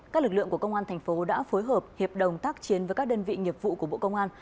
các lực lượng của công an thành phố đã phối hợp hiệp đồng tác chiến với các đơn vị nghiệp vụ của bộ công an